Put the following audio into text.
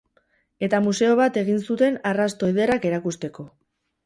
Eta museo bat egin zuten arrasto ederrak erakusteko.